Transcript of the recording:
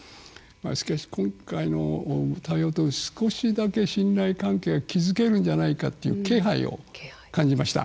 しかし今回の対話を通し少しだけ信頼関係を築けるんじゃないかという気配を感じました。